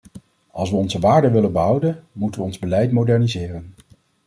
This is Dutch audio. Als we onze waarden willen behouden, moeten we ons beleid moderniseren.